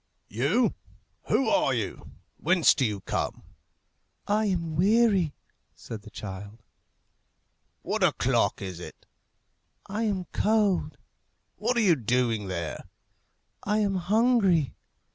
"You? Who are you? whence do you come?" "I am weary," said the child. "What o'clock is it?" "I am cold." "What are you doing there?" "I am hungry."